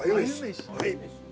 はい。